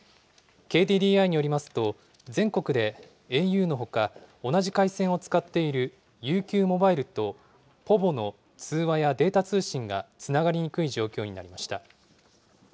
ＫＤＤＩによりますと、全国でａｕのほか、同じ回線を使っているＵＱモバイルとｐｏｖｏの通話やデータ通信がつながりにくい状況になりました。